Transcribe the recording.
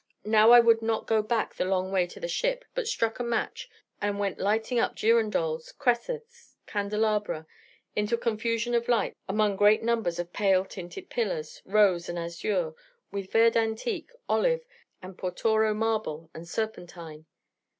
Now I would not go back the long way to the ship, but struck a match, and went lighting up girandoles, cressets, candelabra, into a confusion of lights among great numbers of pale tinted pillars, rose and azure, with verd antique, olive, and Portoro marble, and serpentine.